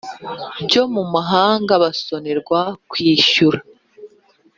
byo mu mahanga basonerwa kwishyura